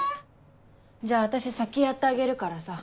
じゃあ私先やってあげるからさ。